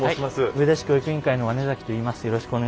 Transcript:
上田市教育委員会の和根崎といいます。